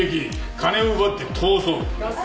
金を奪って逃走。